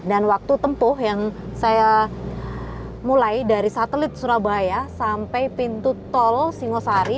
dan waktu tempuh yang saya mulai dari satelit surabaya sampai pintu tol singosari